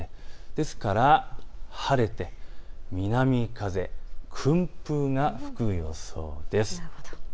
ですから晴れて南風、薫風が吹く予想です。